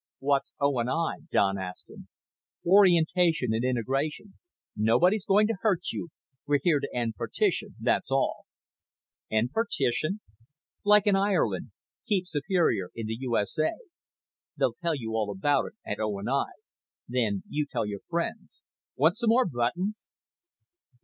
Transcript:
"What's O. & I.?" Don asked him. "Orientation and Integration. Nobody's going to hurt you. We're here to end partition, that's all." "End partition?" "Like in Ireland. Keep Superior in the U. S. A. They'll tell you all about it at O. & I. Then you tell your friends. Want some more buttons?"